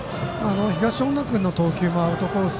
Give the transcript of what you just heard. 東恩納君の投球もアウトコース